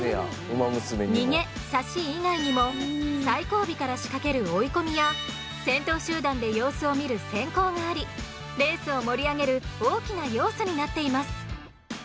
「逃げ」「差し」以外にも最後尾から仕掛ける「追い込み」や先頭集団で様子を見る「先行」がありレースを盛り上げる大きな要素になっています。